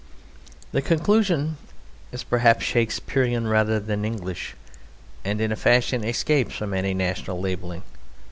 The conclusion is perhaps Shakespearean rather than English, and in a fashion escapes from any national labelling.